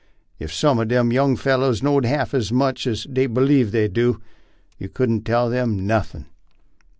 Ef some of them young fellars knowed half as much as they b'lieve they do, you couldn't tell them nothin'.